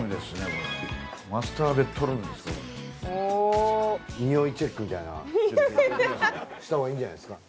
これおおした方がいいんじゃないですか？